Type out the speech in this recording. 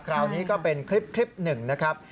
คราวนี้ก็เป็นคลิปหนึ่งนะครับ